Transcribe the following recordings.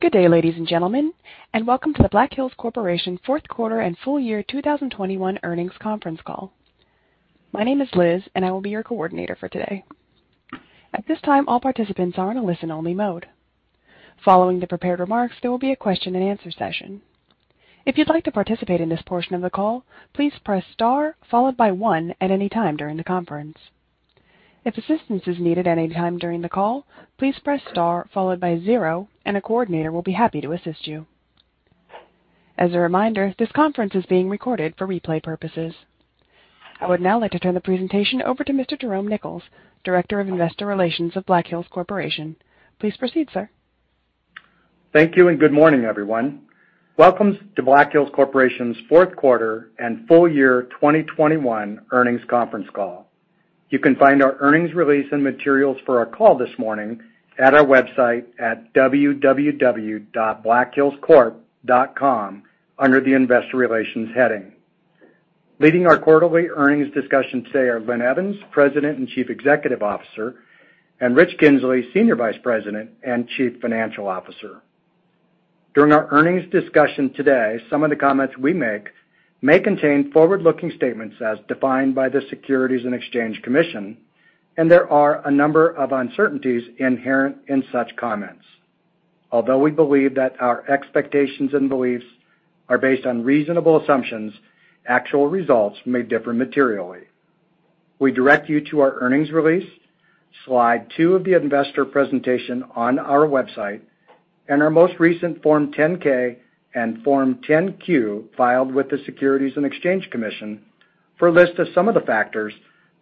Good day, ladies and gentlemen, and welcome to the Black Hills Corporation fourth quarter and full year 2021 earnings conference call. My name is Liz, and I will be your coordinator for today. At this time, all participants are in a listen-only mode. Following the prepared remarks, there will be a question-and-answer session. If you'd like to participate in this portion of the call, please press star followed by one at any time during the conference. If assistance is needed any time during the call, please press star followed by zero, and a coordinator will be happy to assist you. As a reminder, this conference is being recorded for replay purposes. I would now like to turn the presentation over to Mr. Jerome Nichols, Director of Investor Relations of Black Hills Corporation. Please proceed, sir. Thank you, and good morning, everyone. Welcome to Black Hills Corporation's fourth quarter and full year 2021 earnings conference call. You can find our earnings release and materials for our call this morning at our website at www.blackhillscorp.com under the Investor Relations heading. Leading our quarterly earnings discussion today are Linn Evans, President and Chief Executive Officer, and Rich Kinzley, Senior Vice President and Chief Financial Officer. During our earnings discussion today, some of the comments we make may contain forward-looking statements as defined by the Securities and Exchange Commission, and there are a number of uncertainties inherent in such comments. Although we believe that our expectations and beliefs are based on reasonable assumptions, actual results may differ materially. We direct you to our earnings release, slide two of the investor presentation on our website, and our most recent Form 10-K and Form 10-Q filed with the Securities and Exchange Commission for a list of some of the factors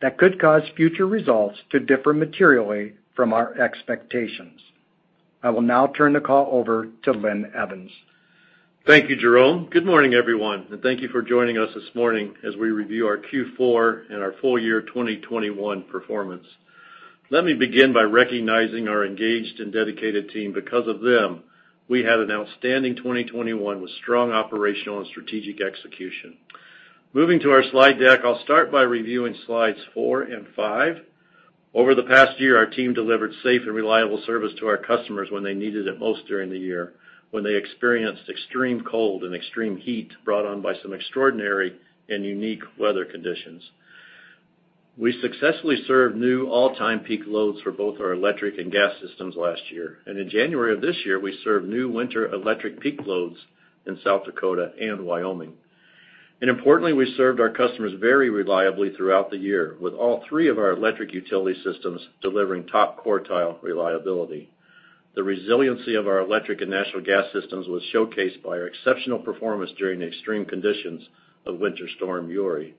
that could cause future results to differ materially from our expectations. I will now turn the call over to Linn Evans. Thank you, Jerome. Good morning, everyone, and thank you for joining us this morning as we review our Q4 and our full year 2021 performance. Let me begin by recognizing our engaged and dedicated team. Because of them, we had an outstanding 2021 with strong operational and strategic execution. Moving to our slide deck, I'll start by reviewing slides four and five. Over the past year, our team delivered safe and reliable service to our customers when they needed it most during the year, when they experienced extreme cold and extreme heat brought on by some extraordinary and unique weather conditions. We successfully served new all-time peak loads for both our electric and gas systems last year. In January of this year, we served new winter electric peak loads in South Dakota and Wyoming. Importantly, we served our customers very reliably throughout the year, with all three of our electric utility systems delivering top quartile reliability. The resiliency of our electric and natural gas systems was showcased by our exceptional performance during the extreme conditions of Winter Storm Uri.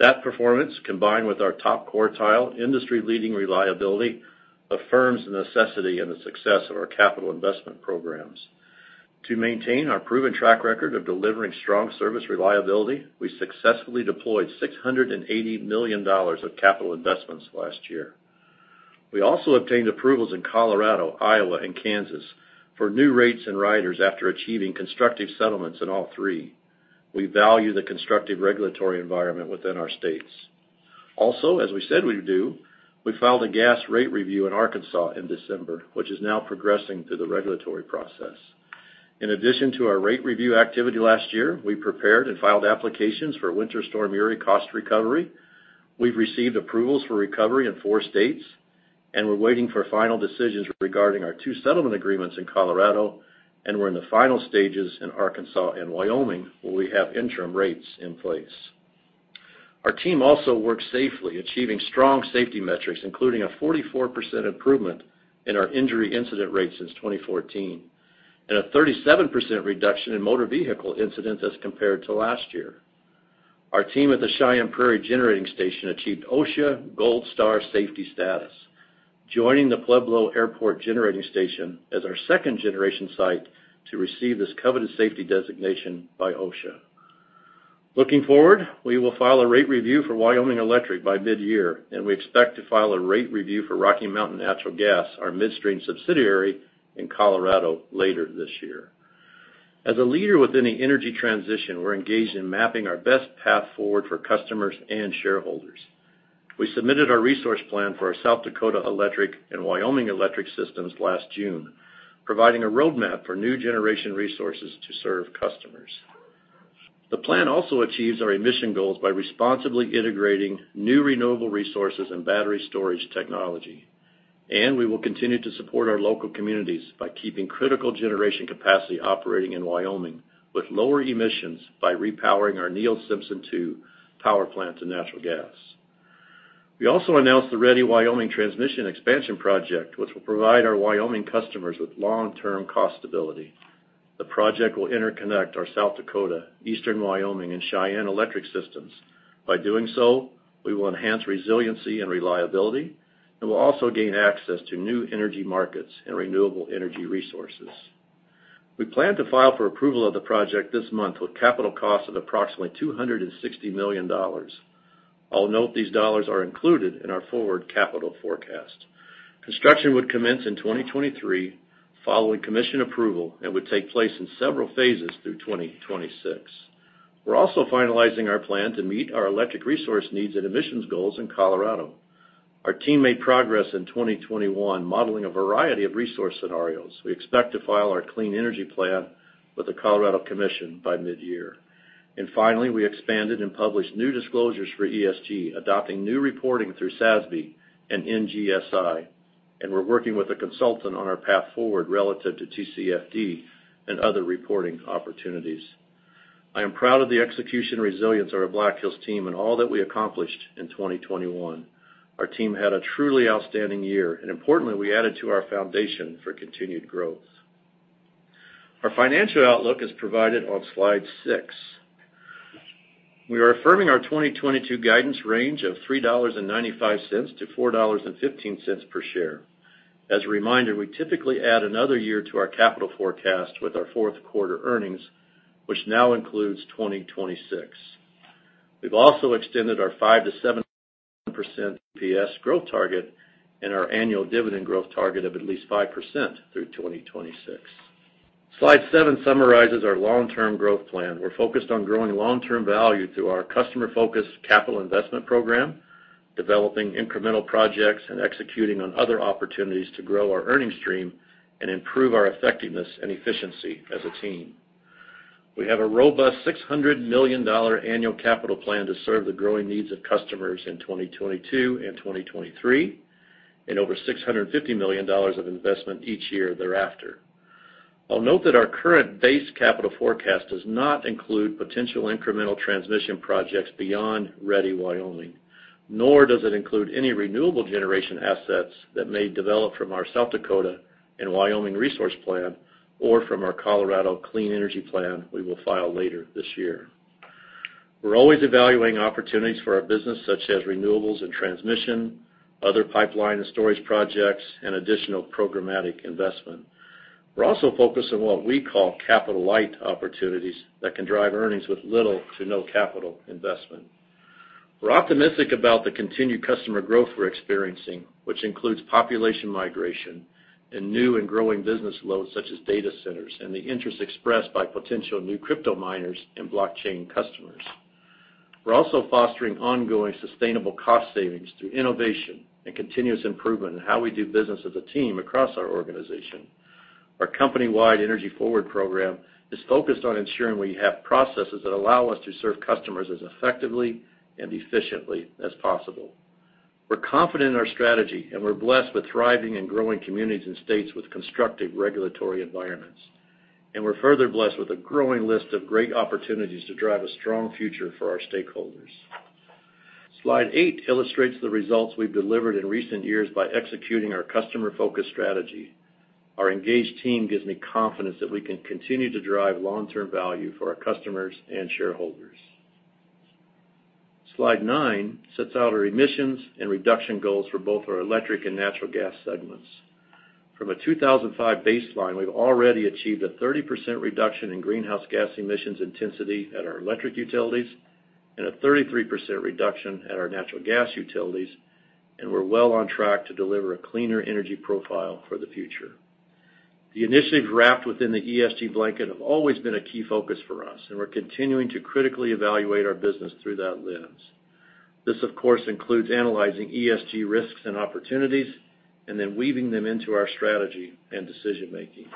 That performance, combined with our top quartile industry-leading reliability, affirms the necessity and the success of our capital investment programs. To maintain our proven track record of delivering strong service reliability, we successfully deployed $680 million of capital investments last year. We also obtained approvals in Colorado, Iowa, and Kansas for new rates and riders after achieving constructive settlements in all three. We value the constructive regulatory environment within our states. Also, as we said we'd do, we filed a gas rate review in Arkansas in December, which is now progressing through the regulatory process. In addition to our rate review activity last year, we prepared and filed applications for Winter Storm Uri cost recovery. We've received approvals for recovery in four states, and we're waiting for final decisions regarding our two settlement agreements in Colorado, and we're in the final stages in Arkansas and Wyoming, where we have interim rates in place. Our team also worked safely, achieving strong safety metrics, including a 44% improvement in our injury incident rate since 2014 and a 37% reduction in motor vehicle incidents as compared to last year. Our team at the Cheyenne Prairie Generating Station achieved OSHA Gold Star safety status, joining the Pueblo Airport Generating Station as our second generation site to receive this coveted safety designation by OSHA. Looking forward, we will file a rate review for Wyoming Electric by mid-year, and we expect to file a rate review for Rocky Mountain Natural Gas, our midstream subsidiary in Colorado, later this year. As a leader within the energy transition, we're engaged in mapping our best path forward for customers and shareholders. We submitted our resource plan for our South Dakota Electric and Wyoming Electric systems last June, providing a roadmap for new generation resources to serve customers. The plan also achieves our emission goals by responsibly integrating new renewable resources and battery storage technology. We will continue to support our local communities by keeping critical generation capacity operating in Wyoming with lower emissions by repowering our Neil Simpson II power plant to natural gas. We also announced the Ready Wyoming Transmission Expansion Project, which will provide our Wyoming customers with long-term cost stability. The project will interconnect our South Dakota, Eastern Wyoming, and Cheyenne Electric systems. By doing so, we will enhance resiliency and reliability and will also gain access to new energy markets and renewable energy resources. We plan to file for approval of the project this month with capital costs of approximately $260 million. I'll note these dollars are included in our forward capital forecast. Construction would commence in 2023 following commission approval and would take place in several phases through 2026. We're also finalizing our plan to meet our electric resource needs and emissions goals in Colorado. Our team made progress in 2021, modeling a variety of resource scenarios. We expect to file our Clean Energy Plan with the Colorado Commission by midyear. Finally, we expanded and published new disclosures for ESG, adopting new reporting through SASB and NGSI, and we're working with a consultant on our path forward relative to TCFD and other reporting opportunities. I am proud of the execution resilience of our Black Hills team and all that we accomplished in 2021. Our team had a truly outstanding year, and importantly, we added to our foundation for continued growth. Our financial outlook is provided on slide six. We are affirming our 2022 guidance range of $3.95-$4.15 per share. As a reminder, we typically add another year to our capital forecast with our fourth quarter earnings, which now includes 2026. We've also extended our 5%-7% EPS growth target and our annual dividend growth target of at least 5% through 2026. Slide seven summarizes our long-term growth plan. We're focused on growing long-term value through our customer-focused capital investment program, developing incremental projects, and executing on other opportunities to grow our earnings stream and improve our effectiveness and efficiency as a team. We have a robust $600 million annual capital plan to serve the growing needs of customers in 2022 and 2023, and over $650 million of investment each year thereafter. I'll note that our current base capital forecast does not include potential incremental transmission projects beyond Ready Wyoming, nor does it include any renewable generation assets that may develop from our South Dakota and Wyoming resource plan or from our Colorado Clean Energy Plan we will file later this year. We're always evaluating opportunities for our business, such as renewables and transmission, other pipeline and storage projects, and additional programmatic investment. We're also focused on what we call capital-light opportunities that can drive earnings with little to no capital investment. We're optimistic about the continued customer growth we're experiencing, which includes population migration and new and growing business loads such as data centers and the interest expressed by potential new crypto miners and blockchain customers. We're also fostering ongoing sustainable cost savings through innovation and continuous improvement in how we do business as a team across our organization. Our company-wide Energy Forward program is focused on ensuring we have processes that allow us to serve customers as effectively and efficiently as possible. We're confident in our strategy, and we're blessed with thriving and growing communities and states with constructive regulatory environments. We're further blessed with a growing list of great opportunities to drive a strong future for our stakeholders. Slide eigh illustrates the results we've delivered in recent years by executing our customer-focused strategy. Our engaged team gives me confidence that we can continue to drive long-term value for our customers and shareholders. Slide nine sets out our emissions and reduction goals for both our electric and natural gas segments. From a 2005 baseline, we've already achieved a 30% reduction in greenhouse gas emissions intensity at our electric utilities and a 33% reduction at our natural gas utilities, and we're well on track to deliver a cleaner energy profile for the future. The initiatives wrapped within the ESG blanket have always been a key focus for us, and we're continuing to critically evaluate our business through that lens. This, of course, includes analyzing ESG risks and opportunities, and then weaving them into our strategy and decision-making.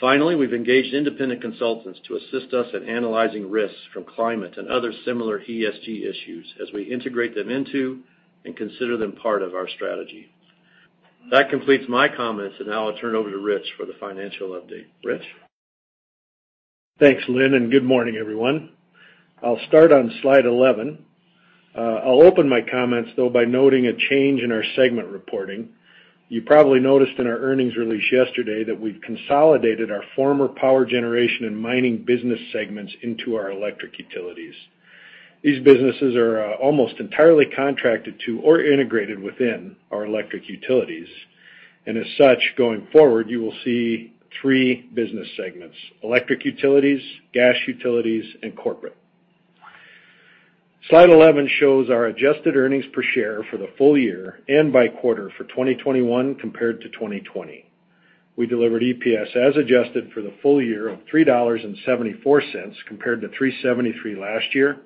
Finally, we've engaged independent consultants to assist us in analyzing risks from climate and other similar ESG issues as we integrate them into and consider them part of our strategy. That completes my comments, and now I'll turn over to Rich for the financial update. Rich? Thanks, Linn, and good morning, everyone. I'll start on slide 11. I'll open my comments, though, by noting a change in our segment reporting. You probably noticed in our earnings release yesterday that we've consolidated our former power generation and mining business segments into our Electric Utilities. These businesses are almost entirely contracted to or integrated within our Electric Utilities. As such, going forward, you will see three business segments: Electric Utilities, Gas Utilities, and Corporate. Slide 11 shows our adjusted earnings per share for the full year and by quarter for 2021 compared to 2020. We delivered EPS as adjusted for the full year of $3.74 compared to $3.73 last year,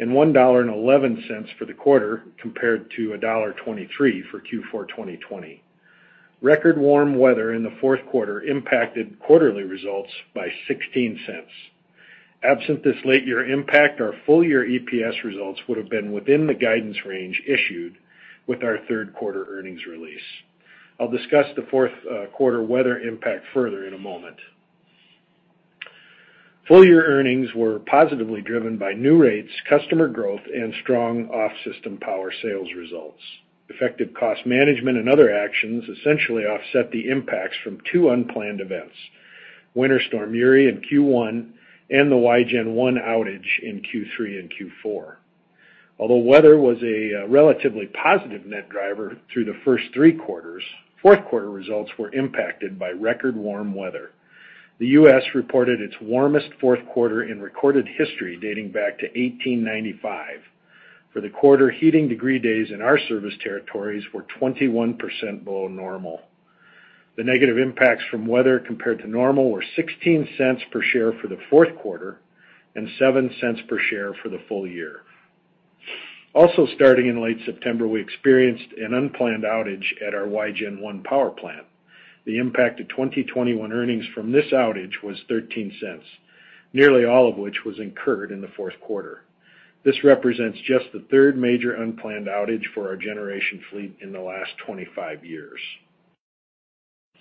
and $1.11 for the quarter compared to $1.23 for Q4 2020. Record warm weather in the fourth quarter impacted quarterly results by $0.16. Absent this late year impact, our full-year EPS results would have been within the guidance range issued with our third-quarter earnings release. I'll discuss the fourth quarter weather impact further in a moment. Full-year earnings were positively driven by new rates, customer growth, and strong off-system power sales results. Effective cost management and other actions essentially offset the impacts from two unplanned events: Winter Storm Uri in Q1 and the Wygen I outage in Q3 and Q4. Although weather was a relatively positive net driver through the first three quarters, fourth quarter results were impacted by record warm weather. The U.S. reported its warmest fourth quarter in recorded history dating back to 1895. For the quarter, heating degree days in our service territories were 21% below normal. The negative impacts from weather compared to normal were $0.16 per share for the fourth quarter and $0.07 per share for the full year. Also, starting in late September, we experienced an unplanned outage at our Wygen I power plant. The impact to 2021 earnings from this outage was $0.13, nearly all of which was incurred in the fourth quarter. This represents just the third major unplanned outage for our generation fleet in the last 25 years.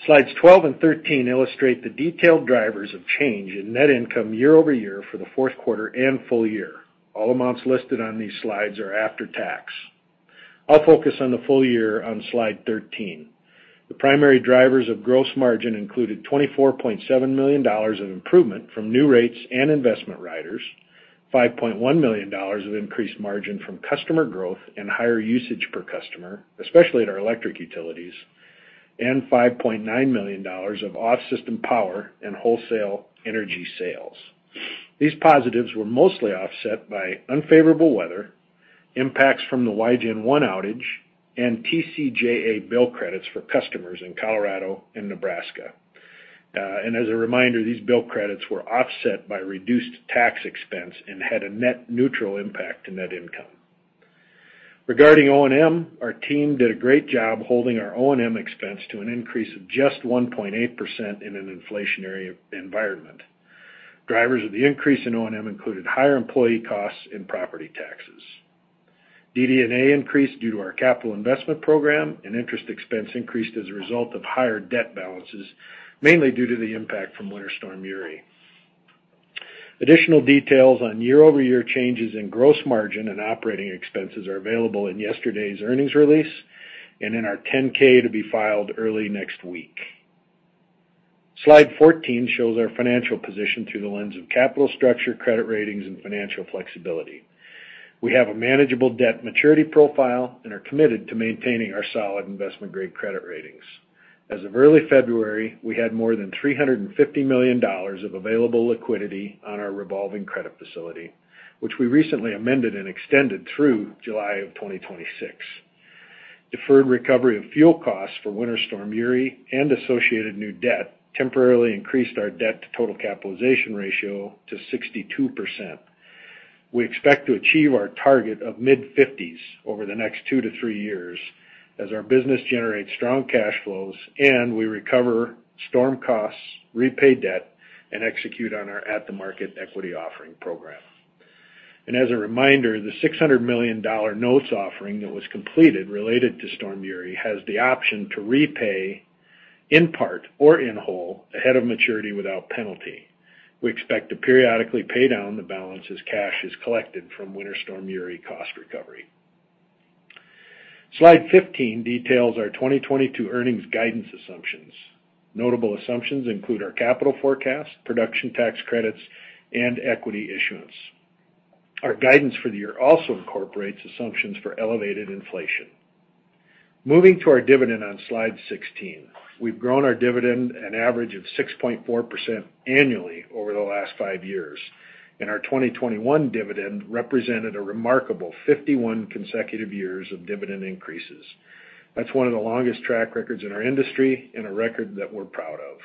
Slides 12 and 13 illustrate the detailed drivers of change in net income year-over-year for the fourth quarter and full year. All amounts listed on these slides are after-tax. I'll focus on the full year on slide 13. The primary drivers of gross margin included $24.7 million of improvement from new rates and investment riders, $5.1 million of increased margin from customer growth and higher usage per customer, especially at our electric utilities, and $5.9 million of off system power and wholesale energy sales. These positives were mostly offset by unfavorable weather, impacts from the Wygen I outage, and TCJA bill credits for customers in Colorado and Nebraska. As a reminder, these bill credits were offset by reduced tax expense and had a net neutral impact to net income. Regarding O&M, our team did a great job holding our O&M expense to an increase of just 1.8% in an inflationary environment. Drivers of the increase in O&M included higher employee costs and property taxes. DD&A increased due to our capital investment program, and interest expense increased as a result of higher debt balances, mainly due to the impact from Winter Storm Uri. Additional details on year-over-year changes in gross margin and operating expenses are available in yesterday's earnings release and in our 10-K to be filed early next week. Slide 14 shows our financial position through the lens of capital structure, credit ratings, and financial flexibility. We have a manageable debt maturity profile and are committed to maintaining our solid investment-grade credit ratings. As of early February, we had more than $350 million of available liquidity on our revolving credit facility, which we recently amended and extended through July of 2026. Deferred recovery of fuel costs for Winter Storm Uri and associated new debt temporarily increased our debt to total capitalization ratio to 62%. We expect to achieve our target of mid-50s over the next two-three years as our business generates strong cash flows and we recover storm costs, repay debt, and execute on our at the market equity offering program. As a reminder, the $600 million notes offering that was completed related to Winter Storm Uri has the option to repay in part or in whole ahead of maturity without penalty. We expect to periodically pay down the balance as cash is collected from Winter Storm Uri cost recovery. Slide 15 details our 2022 earnings guidance assumptions. Notable assumptions include our capital forecast, production tax credits, and equity issuance. Our guidance for the year also incorporates assumptions for elevated inflation. Moving to our dividend on Slide 16. We've grown our dividend an average of 6.4% annually over the last five years, and our 2021 dividend represented a remarkable 51 consecutive years of dividend increases. That's one of the longest track records in our industry and a record that we're proud of.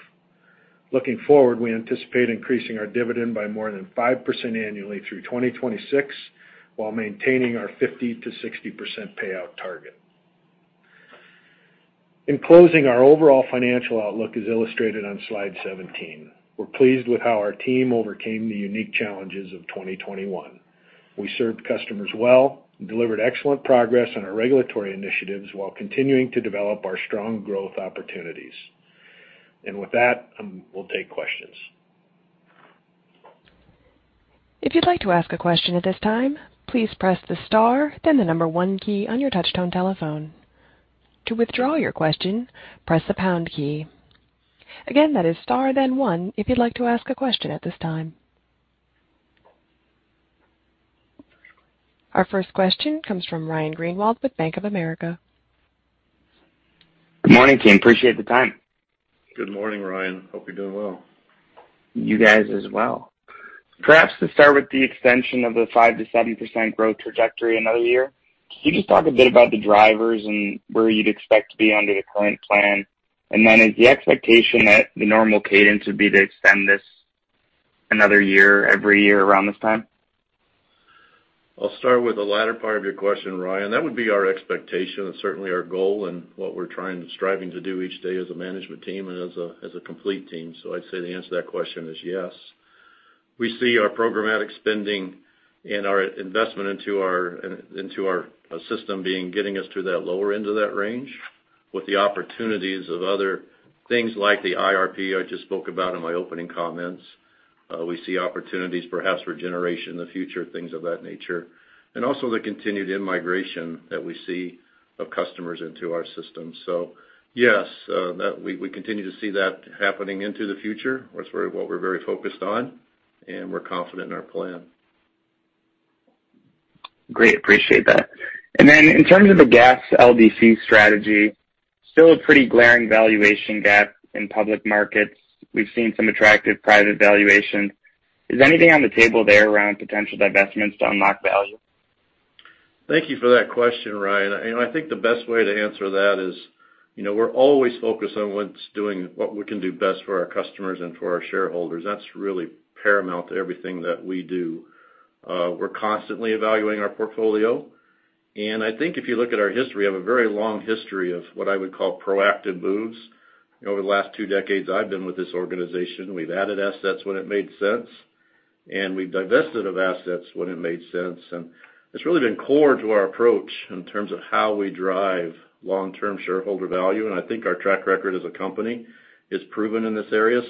Looking forward, we anticipate increasing our dividend by more than 5% annually through 2026, while maintaining our 50%-60% payout target. In closing, our overall financial outlook is illustrated on slide 17. We're pleased with how our team overcame the unique challenges of 2021. We served customers well and delivered excellent progress on our regulatory initiatives while continuing to develop our strong growth opportunities. With that, we'll take questions. If you'd like to ask a question at this time, please press the star, then the number one key on your touchtone telephone. To withdraw your question, press the pound key. Again, that is star, then one if you'd like to ask a question at this time. Our first question comes from Ryan Greenwald with Bank of America. Good morning, team. I appreciate the time. Good morning, Ryan. Hope you're doing well. You guys as well. Perhaps to start with the extension of the 5%-7% growth trajectory another year. Can you just talk a bit about the drivers and where you'd expect to be under the current plan? Is the expectation that the normal cadence would be to extend this another year every year around this time? I'll start with the latter part of your question, Ryan. That would be our expectation. It's certainly our goal and what we're trying and striving to do each day as a management team and as a complete team. I'd say the answer to that question is yes. We see our programmatic spending and our investment into our system getting us to that lower end of that range with the opportunities of other things like the IRP I just spoke about in my opening comments. We see opportunities perhaps for generation in the future, things of that nature, and also the continued in-migration that we see of customers into our system. Yes, that we continue to see that happening into the future. That's what we're very focused on, and we're confident in our plan. Great. Appreciate that. In terms of the gas LDC strategy, still a pretty glaring valuation gap in public markets. We've seen some attractive private valuation. Is anything on the table there around potential divestments to unlock value? Thank you for that question, Ryan. You know, I think the best way to answer that is, you know, we're always focused on what we can do best for our customers and for our shareholders. That's really paramount to everything that we do. We're constantly evaluating our portfolio. I think if you look at our history, we have a very long history of what I would call proactive moves. Over the last two decades I've been with this organization, we've added assets when it made sense, and we divested of assets when it made sense. It's really been core to our approach in terms of how we drive long-term shareholder value, and I think our track record as a company is proven in this area.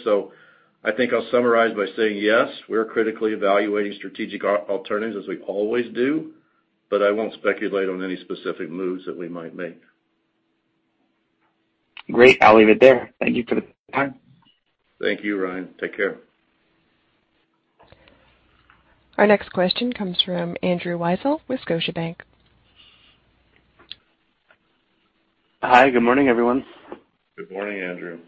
I think I'll summarize by saying, yes, we're critically evaluating strategic alternatives as we always do, but I won't speculate on any specific moves that we might make. Great. I'll leave it there. Thank you for the time. Thank you, Ryan. Take care. Our next question comes from Andrew Weisel with Scotiabank. Hi, good morning, everyone. Good morning, Andrew.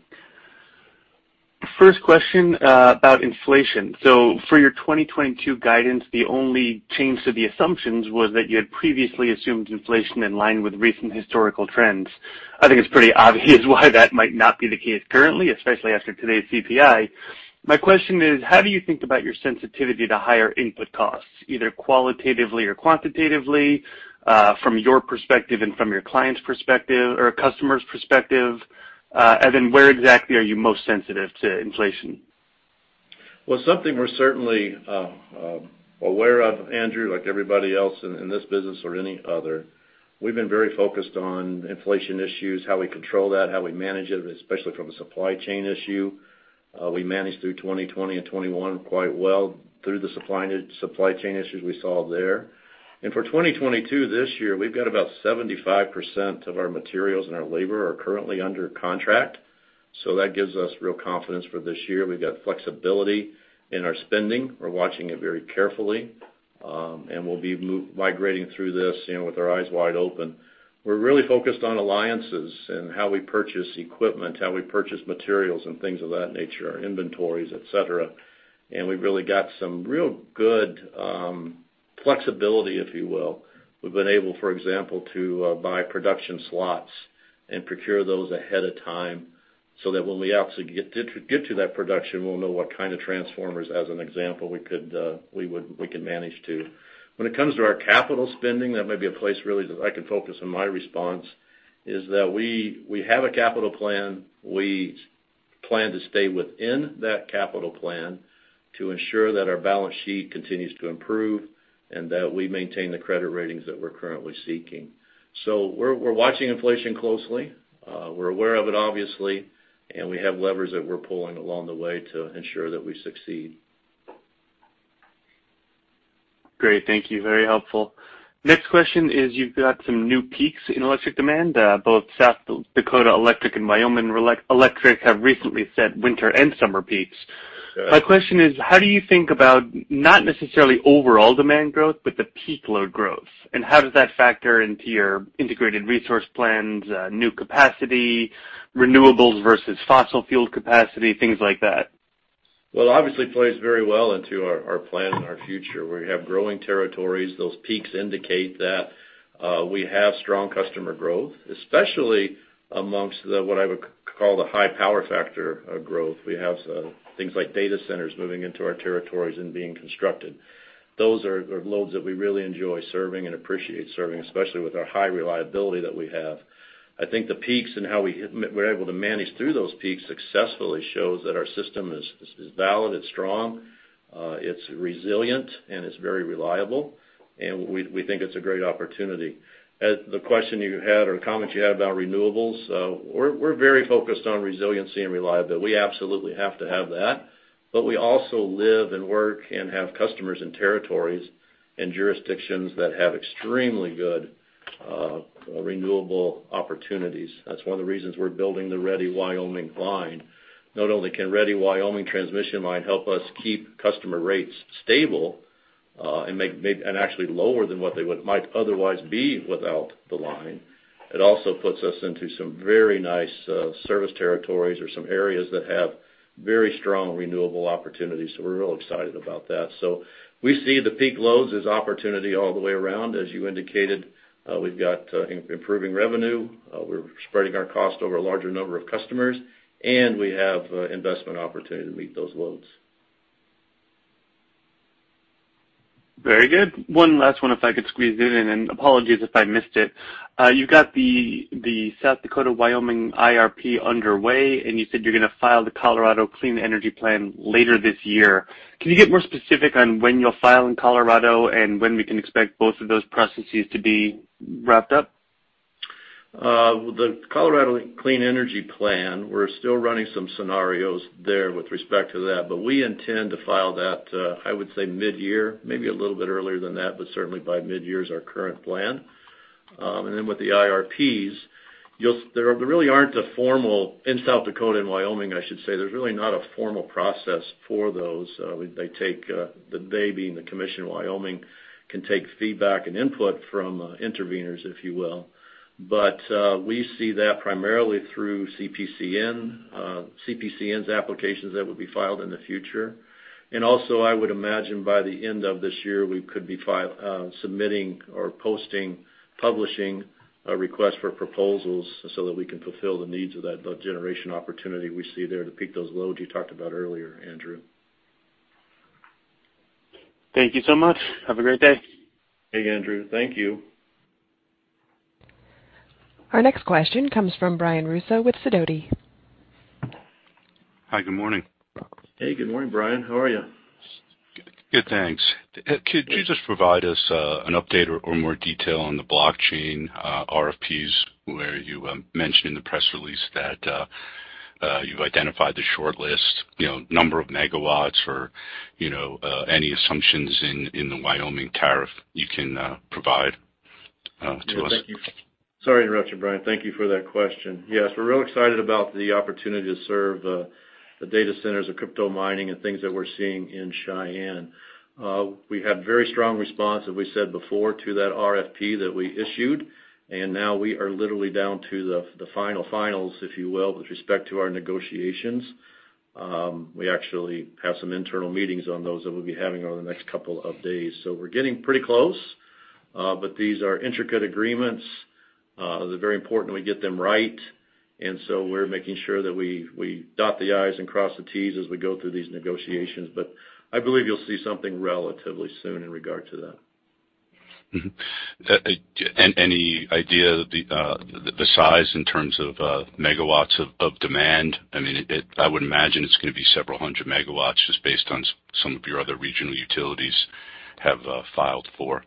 First question about inflation. For your 2022 guidance, the only change to the assumptions was that you had previously assumed inflation in line with recent historical trends. I think it's pretty obvious why that might not be the case currently, especially after today's CPI. My question is, how do you think about your sensitivity to higher input costs, either qualitatively or quantitatively, from your perspective and from your client's perspective or customer's perspective? Then where exactly are you most sensitive to inflation? Well, something we're certainly aware of, Andrew, like everybody else in this business or any other, we've been very focused on inflation issues, how we control that, how we manage it, especially from a supply chain issue. We managed through 2020 and 2021 quite well through the supply chain issues we saw there. For 2022 this year, we've got about 75% of our materials and our labor are currently under contract. That gives us real confidence for this year. We've got flexibility in our spending. We're watching it very carefully, and we'll be migrating through this, you know, with our eyes wide open. We're really focused on alliances and how we purchase equipment, how we purchase materials and things of that nature, our inventories, et cetera. We've really got some real good flexibility, if you will. We've been able, for example, to buy production slots and procure those ahead of time so that when we actually get to that production, we'll know what kind of transformers, as an example, we can manage to. When it comes to our capital spending, that might be a place really that I can focus on my response, is that we have a capital plan. We plan to stay within that capital plan to ensure that our balance sheet continues to improve and that we maintain the credit ratings that we're currently seeking. We're watching inflation closely. We're aware of it obviously, and we have levers that we're pulling along the way to ensure that we succeed. Great. Thank you. Very helpful. Next question is you've got some new peaks in electric demand, both South Dakota Electric and Wyoming Electric have recently set winter and summer peaks. Yes. My question is, how do you think about not necessarily overall demand growth, but the peak load growth? How does that factor into your integrated resource plans, new capacity, renewables versus fossil fuel capacity, things like that? Well, obviously it plays very well into our plan and our future. We have growing territories. Those peaks indicate that we have strong customer growth, especially amongst the what I would call the high power factor of growth. We have things like data centers moving into our territories and being constructed. Those are loads that we really enjoy serving and appreciate serving, especially with our high reliability that we have. I think the peaks and how we're able to manage through those peaks successfully shows that our system is valid, it's strong, it's resilient, and it's very reliable. We think it's a great opportunity. As the question you had or comments you had about renewables, we're very focused on resiliency and reliability. We absolutely have to have that. We also live and work and have customers in territories and jurisdictions that have extremely good renewable opportunities. That's one of the reasons we're building the Ready Wyoming line. Not only can Ready Wyoming transmission line help us keep customer rates stable and make and actually lower than what they would might otherwise be without the line, it also puts us into some very nice service territories or some areas that have very strong renewable opportunities. We're real excited about that. We see the peak loads as opportunity all the way around. As you indicated, we've got improving revenue, we're spreading our cost over a larger number of customers, and we have investment opportunity to meet those loads. Very good. One last one, if I could squeeze it in, and apologies if I missed it. You got the South Dakota Wyoming IRP underway, and you said you're gonna file the Colorado Clean Energy Plan later this year. Can you get more specific on when you'll file in Colorado and when we can expect both of those processes to be wrapped up? The Colorado Clean Energy Plan, we're still running some scenarios there with respect to that, but we intend to file that, I would say mid-year, maybe a little bit earlier than that, but certainly by mid-year is our current plan. With the IRPs, there really isn't a formal process in South Dakota and Wyoming, I should say. There's really not a formal process for those. They, being the commission in Wyoming, can take feedback and input from intervenors, if you will. We see that primarily through CPCN's applications that would be filed in the future. I would imagine by the end of this year, we could be submitting or posting, publishing a request for proposals so that we can fulfill the needs of that generation opportunity we see there to peak those loads you talked about earlier, Andrew. Thank you so much. Have a great day. Hey, Andrew. Thank you. Our next question comes from Brian Russo with Sidoti. Hi. Good morning. Hey, good morning, Brian. How are you? Good, thanks. Could you just provide us an update or more detail on the Black Hills RFPs where you mentioned in the press release that you've identified the shortlist, you know, number of megawatts or, you know, any assumptions in the Wyoming tariff you can provide to us? Yeah, thank you. Sorry to interrupt you, Brian. Thank you for that question. Yes, we're real excited about the opportunity to serve the data centers of crypto mining and things that we're seeing in Cheyenne. We had very strong response, as we said before, to that RFP that we issued, and now we are literally down to the final finals, if you will, with respect to our negotiations. We actually have some internal meetings on those that we'll be having over the next couple of days. We're getting pretty close, but these are intricate agreements. They're very important we get them right, and so we're making sure that we dot the I's and cross the T's as we go through these negotiations. I believe you'll see something relatively soon in regard to that. Any idea the size in terms of megawatts of demand? I mean, I would imagine it's gonna be several hundred MW just based on some of your other regional utilities have filed for.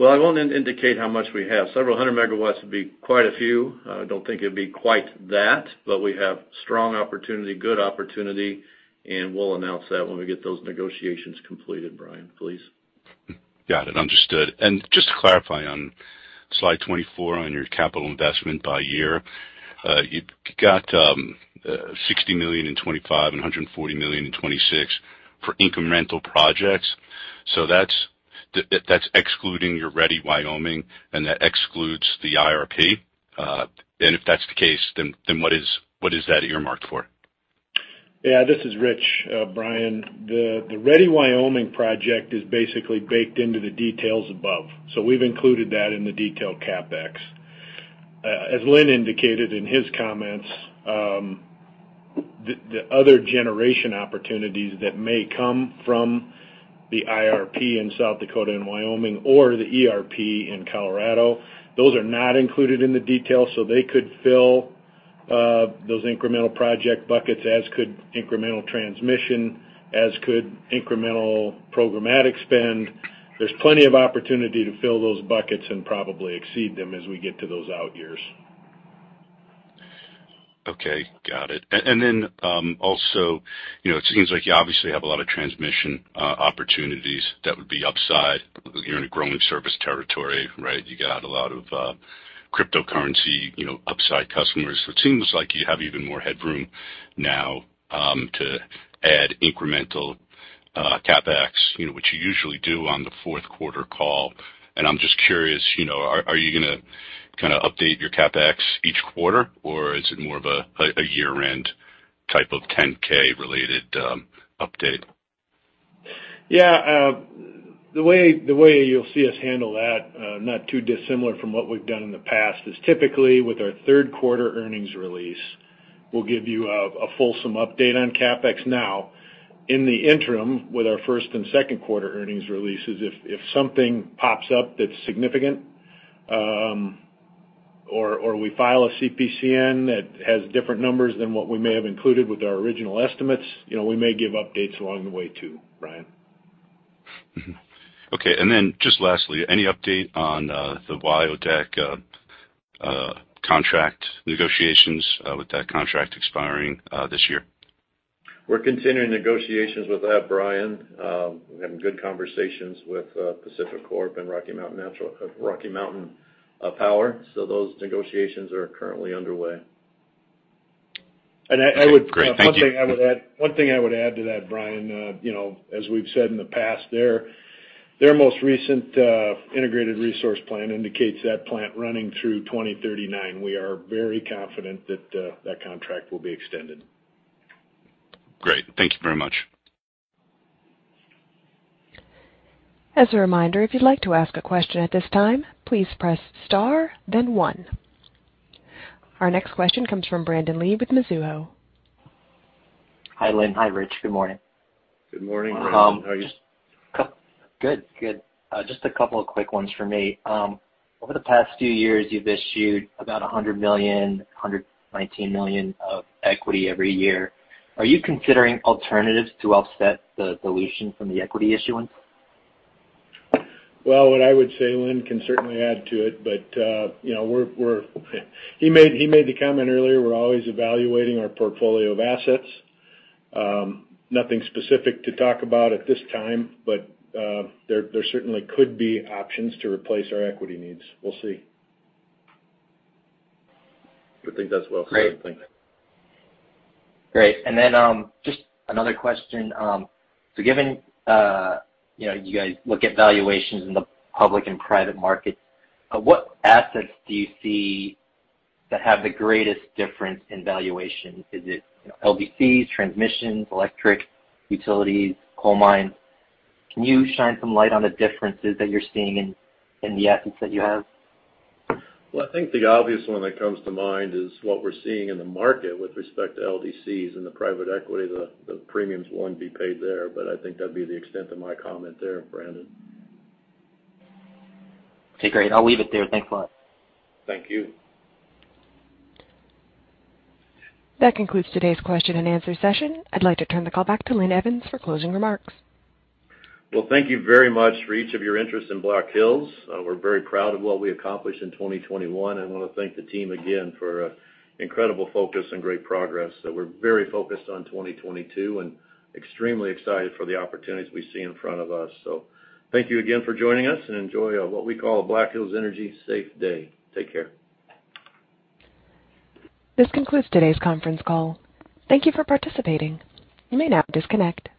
Well, I won't indicate how much we have. Several hundred MW would be quite a few. I don't think it'd be quite that, but we have strong opportunity, good opportunity, and we'll announce that when we get those negotiations completed, Brian, please. Got it. Understood. Just to clarify on slide 24 on your capital investment by year, you've got $60 million in 2025 and $140 million in 2026 for incremental projects. That's excluding your Ready Wyoming and that excludes the IRP. If that's the case, then what is that earmarked for? Yeah, this is Rich. Brian, the Ready Wyoming project is basically baked into the details above. We've included that in the detailed CapEx. As Linn indicated in his comments, the other generation opportunities that may come from the IRP in South Dakota and Wyoming or the ERP in Colorado, those are not included in the detail, so they could fill those incremental project buckets as could incremental transmission, as could incremental programmatic spend. There's plenty of opportunity to fill those buckets and probably exceed them as we get to those out years. Okay, got it. Also, you know, it seems like you obviously have a lot of transmission opportunities that would be upside. You're in a growing service territory, right? You got a lot of cryptocurrency, you know, upside customers. It seems like you have even more headroom now to add incremental CapEx, you know, which you usually do on the fourth quarter call. I'm just curious, you know, are you gonna kinda update your CapEx each quarter, or is it more of a year-end type of 10-K related update? Yeah, the way you'll see us handle that, not too dissimilar from what we've done in the past, is typically with our third quarter earnings release. We'll give you a fulsome update on CapEx now. In the interim, with our first and second quarter earnings releases, if something pops up that's significant, or we file a CPCN that has different numbers than what we may have included with our original estimates, you know, we may give updates along the way, too, Brian. Mm-hmm. Okay. Just lastly, any update on the Wyodak contract negotiations with that contract expiring this year? We're continuing negotiations with that, Brian. We're having good conversations with PacifiCorp and Rocky Mountain Power. Those negotiations are currently underway. Okay. Great. Thank you. One thing I would add to that, Brian, you know, as we've said in the past, their most recent integrated resource plan indicates that plant running through 2039. We are very confident that that contract will be extended. Great. Thank you very much. As a reminder, if you'd like to ask a question at this time, please press star then one. Our next question comes from Brandon Lee with Mizuho. Hi, Linn. Hi, Rich. Good morning. Good morning, Brandon. How are you? Good. Just a couple of quick ones for me. Over the past few years, you've issued about $100 million, $119 million of equity every year. Are you considering alternatives to offset the dilution from the equity issuance? Well, what I would say, Linn can certainly add to it, but, you know, he made the comment earlier, we're always evaluating our portfolio of assets. Nothing specific to talk about at this time, but, there certainly could be options to replace our equity needs. We'll see. I think that's well said, Linn. Great. Just another question. Given you know, you guys look at valuations in the public and private markets, what assets do you see that have the greatest difference in valuation? Is it, you know, LDCs, transmissions, electric utilities, coal mines? Can you shine some light on the differences that you're seeing in the assets that you have? Well, I think the obvious one that comes to mind is what we're seeing in the market with respect to LDCs and the private equity, the premiums won't be paid there, but I think that'd be the extent of my comment there, Brandon. Okay, great. I'll leave it there. Thanks a lot. Thank you. That concludes today's question-and-answer session. I'd like to turn the call back to Linn Evans for closing remarks. Well, thank you very much for your interest in Black Hills. We're very proud of what we accomplished in 2021. I wanna thank the team again for incredible focus and great progress. We're very focused on 2022 and extremely excited for the opportunities we see in front of us. Thank you again for joining us and enjoy what we call a Black Hills Energy safe day. Take care. This concludes today's conference call. Thank you for participating. You may now disconnect.